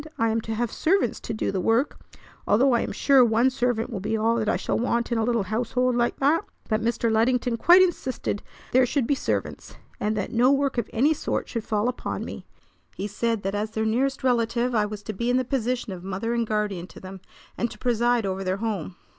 I am to have servants to do the work, although I'm sure one servant will be all that I shall want in a little household like that. But Mr. Luddington quite insisted there should be servants, and that no work of any sort should fall upon me. He said that as their nearest relative I was to be in the position of mother and guardian to them, and to preside over their home."